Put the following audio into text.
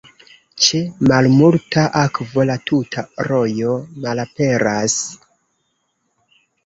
Ĉe malmulta akvo la tuta rojo malaperas.